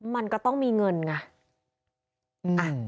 มันก็ต้องมีเงินไง